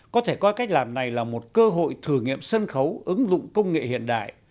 có thể coi cách làm này là một cơ hội thử nghiệm sân khấu ứng dụng công nghệ hiện đại